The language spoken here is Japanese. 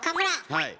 はい。